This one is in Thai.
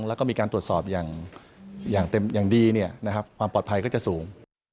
แล้วก็มีการตรวจสอบอย่างดีความปลอดภัยก็จะสูง